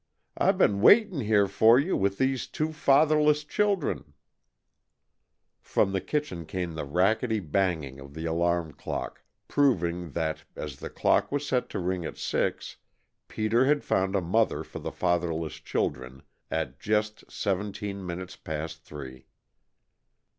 I been waitin' here for you, with these two fatherless children " From the kitchen came the rackety banging of the alarm clock, proving that, as the clock was set to ring at six, Peter had found a mother for the fatherless children at just seventeen minutes past three.